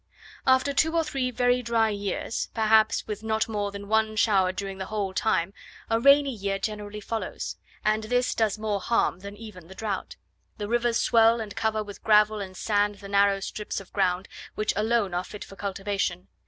After two or three very dry years, perhaps with not more than one shower during the whole time, a rainy year generally follows; and this does more harm than even the drought. The rivers swell, and cover with gravel and sand the narrow strips of ground, which alone are fit for cultivation.